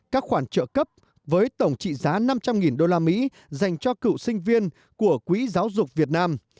các khoản trợ cấp với tổng trị giá năm trăm linh usd dành cho cựu sinh viên của quỹ giáo dục việt nam